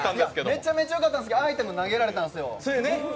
めちゃめちゃよかったんですが、アイテム投げられたんですよ。